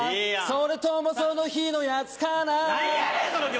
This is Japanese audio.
それともその日のやつかな何やねん‼